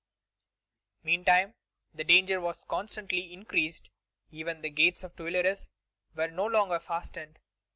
Meantime, the danger constantly increased. Even the gates of the Tuileries were no longer fastened.